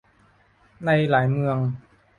ในหลายเมือง